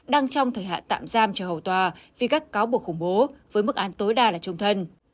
đang trong thời hạn tạm giam chờ hậu tòa vì các cáo buộc khủng bố với mức án tối đa là chung thân